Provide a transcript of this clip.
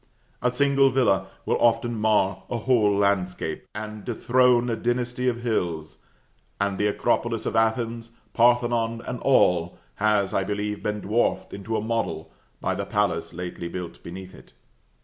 A single villa will often mar a whole landscape, and dethrone a dynasty of hills, and the Acropolis of Athens, Parthenon and all, has, I believe, been dwarfed into a model by the palace lately built beneath it.